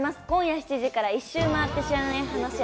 今夜７時から『１周回って知らない話』